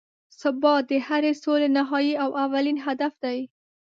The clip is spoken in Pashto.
ثبات د هرې سولې نهایي او اولین هدف دی.